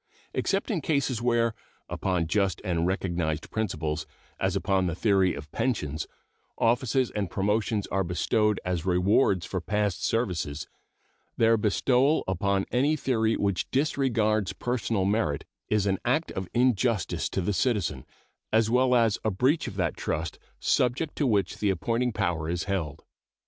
Except in cases where, upon just and recognized principles as upon the theory of pensions offices and promotions are bestowed as rewards for past services, their bestowal upon any theory which disregards personal merit is an act of injustice to the citizen, as well as a breach of that trust subject to which the appointing power is held.